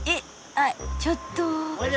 あっちょっと。